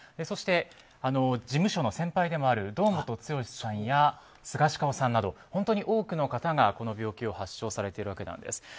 そして、事務所の先輩でもある堂本剛さんやスガシカオさんなど本当に多くの方がこの病気を発症されているわけです。